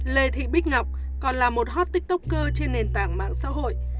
lê thị bích ngọc còn là một hot tiktoker trên nền tảng mạng xã hội